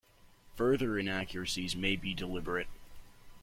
Further inaccuracies may be deliberate.